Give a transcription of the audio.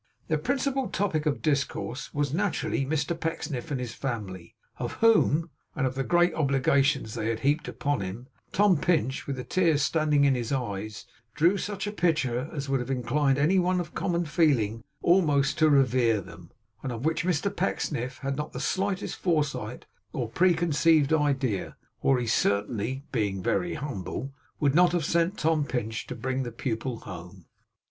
Their principal topic of discourse was naturally Mr Pecksniff and his family; of whom, and of the great obligations they had heaped upon him, Tom Pinch, with the tears standing in his eyes, drew such a picture as would have inclined any one of common feeling almost to revere them; and of which Mr Pecksniff had not the slightest foresight or preconceived idea, or he certainly (being very humble) would not have sent Tom Pinch to bring the pupil home.